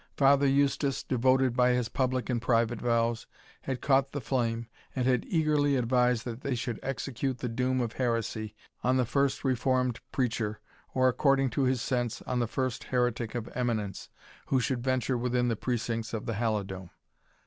Father Eustace, devoted by his public and private vows, had caught the flame, and had eagerly advised that they should execute the doom of heresy on the first reformed preacher, or, according to his sense, on the first heretic of eminence, who should venture within the precincts of the Halidome.